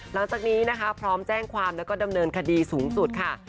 หลังจากนี้นะคะพร้อมแจ้งความแล้วก็ดำเนินคดีสูงสุดค่ะ